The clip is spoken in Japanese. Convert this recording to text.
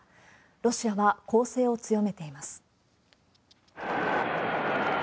ロシアは攻勢を強めています。